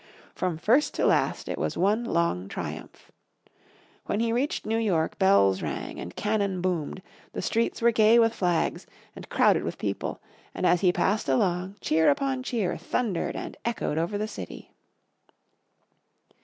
From first to last it was one long triumph. When he reached New York bells rang and cannon boomed, the streets were gay with flags, and crowded with people, and as he passed along cheer upon cheer thundered and echoed over the city.